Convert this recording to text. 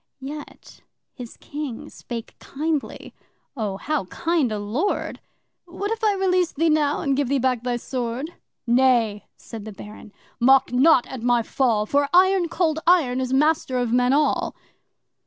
Yet his King spake kindly (Oh, how kind a Lord!) 'What if I release thee now and give thee back thy sword?' 'Nay!' said the Baron, 'mock not at my fall, For Iron Cold Iron is master of men all.